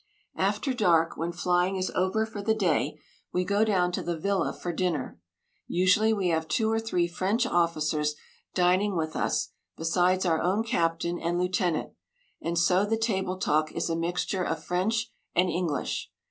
After dark, when flying is over for the day, we go down to the villa for dinner. Usually we have two or three French officers dining with us besides our own captain and lieutenant, and so the table talk is a mixture of French and English.